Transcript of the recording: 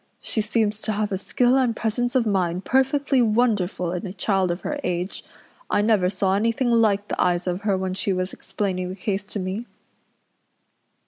She seems to have a skill and presence of mind perfectly wonderful in a child of her age. I never saw anything like the eyes of her when she was explaining the case to me."